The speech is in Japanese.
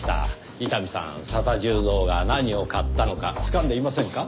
伊丹さん佐田重蔵が何を買ったのかつかんでいませんか？